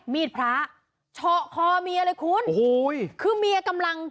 มีดพระเฉาะคอเมียเลยคุณโอ้โหคือเมียกำลัง